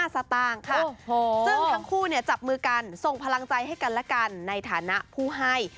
สตางค์ค่ะซึ่งทั้งคู่จับมือกันส่งพลังใจให้กันและกันในฐานะผู้ให้